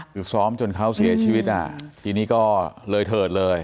คือซ้อมจนเขาเสียชีวิตอ่ะทีนี้ก็เลยเถิดเลย